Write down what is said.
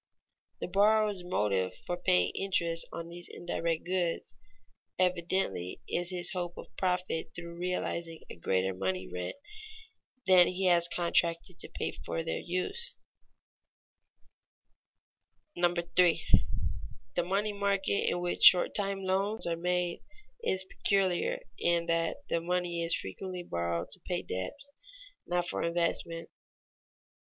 The borrower's motive for paying interest on these indirect goods evidently is his hope of profit through realizing a greater money rent than he has contracted to pay for their use. [Sidenote: The special case of money borrowed to pay debts] 3. _The money market in which short time loans are made is peculiar in that the money frequently is borrowed to pay debts, not for investment.